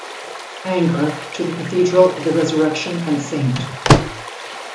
Ingres to the Cathedral of the Resurrection and Saint.